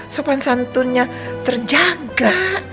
sopan santunnya terjaga